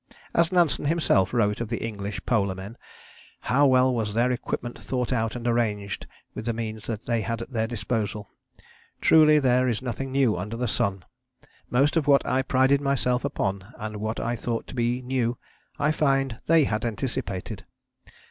As Nansen himself wrote of the English polar men: "How well was their equipment thought out and arranged with the means they had at their disposal! Truly, there is nothing new under the sun. Most of what I prided myself upon, and what I thought to be new, I find they had anticipated.